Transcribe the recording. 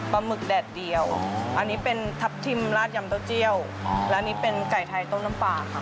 หมึกแดดเดียวอันนี้เป็นทัพทิมลาดยำเต้าเจียวและอันนี้เป็นไก่ไทยต้มน้ำปลาค่ะ